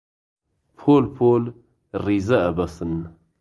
پۆل پۆل ڕیزە ئەبەسن